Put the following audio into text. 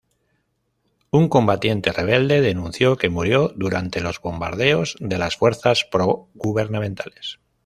Un combatiente rebelde denunció que murió durante los bombardeos de las fuerzas pro-gubernamentales.